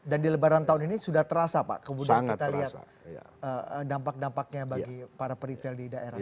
dan di lebaran tahun ini sudah terasa pak kemudian kita lihat dampak dampaknya bagi para retail di daerah